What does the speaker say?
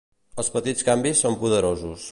Els petits canvis són poderosos.